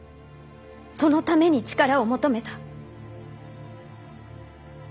そのために力を求めた。